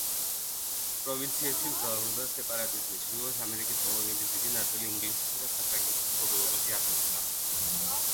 პროვინციებში მძლავრობდა სეპარატიზმი, ჩრდილოეთ ამერიკის კოლონიების დიდი ნაწილი ინგლისისა და საფრანგეთის მფლობელობაში აღმოჩნდა.